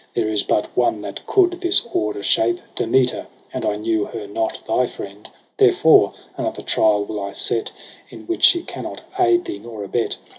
There is but one that coud this order shape, Demeter, — but I knew her not thy friend. Therefore another trial will I set. In which she cannot aid thee nor abet.